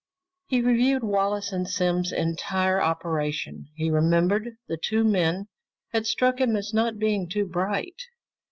He reviewed Wallace and Simms' entire operation. He remembered the two men had struck him as not being too bright.